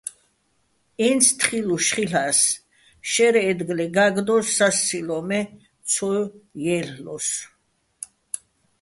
ინც თხილუშ ხილ'ას, შაჲრი̆ აჲდგლე გა́გდოს, სასცილო́ მე ცო ჲა́ლ'ლოსო̆.